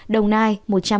đồng nai một trăm bốn mươi tám